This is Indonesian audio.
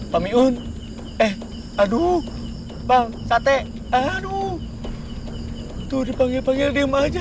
kami un eh aduh bang sate aduh itu dipanggil panggil dia maja